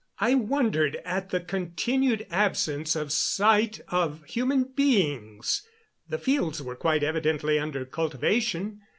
I wondered at the continued absence of sight of human beings. The fields were quite evidently under cultivation.